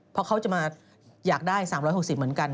เพราะเขาจะมาอยากได้๓๖๐เหมือนกัน